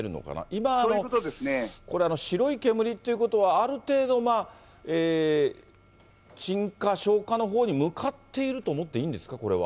今、白い煙ということは、ある程度、鎮火、消火のほうに向かっていると思っていいんですか、これは。